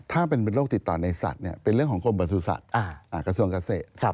ถ้าเป็นโรคติดต่อในสัตว์เป็นเรื่องของกรมประสุทธิ์กระทรวงเกษตร